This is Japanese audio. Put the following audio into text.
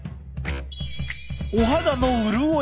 お肌の潤いが。